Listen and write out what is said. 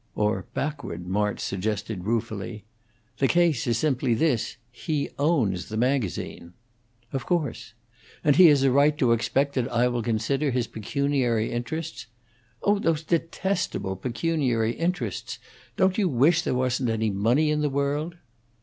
"Or backward," March suggested, ruefully. "The case is simply this: he owns the magazine." "Of course." "And he has a right to expect that I will consider his pecuniary interests " "Oh, those detestable pecuniary interests! Don't you wish there wasn't any money in the world?"